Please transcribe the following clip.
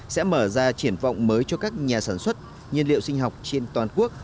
sẽ mở ra triển vọng mới cho các nhà sản xuất nhiên liệu sinh học trên toàn quốc